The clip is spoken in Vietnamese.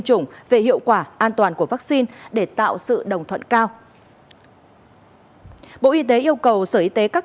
chủng về hiệu quả an toàn của vaccine để tạo sự đồng thuận cao bộ y tế yêu cầu sở y tế các